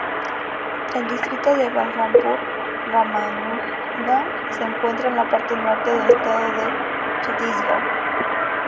El distrito de Balrampur-Ramanujganj se encuentra en la parte norte del estado de Chhattisgarh.